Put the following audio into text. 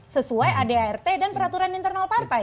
sesuai adart dan peraturan internal partai